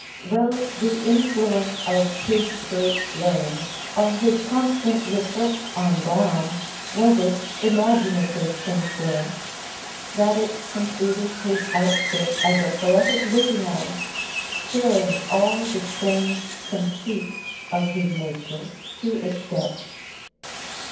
Well! the influence of his great learning, of his constant research on Browne, was its imaginative influence that it completed his outfit as a poetic visionary, stirring all the strange "conceit" of his nature to its depths.